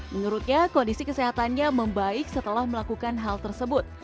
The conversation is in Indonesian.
menurutnya kondisi kesehatannya membaik setelah melakukan hal tersebut